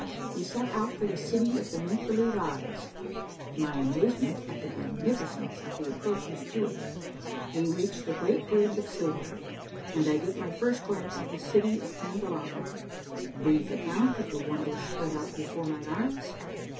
— WE SET OUT FOR THE CITY OF THE MAKE BELIEVE EYES. — MY AJVIAZEMENT AT THE MAGNIFICENCE OF THE APPROACHES TO IT. — WE REACH THE GREAT BRIDGE OF SILVER, AND I GET MY FIRST GLANCE OF THE CITY OF CAN DELABRA. — BRIEF ACCOUNT OF THE WONDERS SPREAD OUT BEFORE MY EYES.